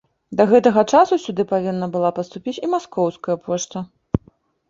Да гэтага часу сюды павінна была паступіць і маскоўская пошта.